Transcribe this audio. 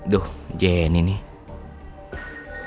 duh jenny nih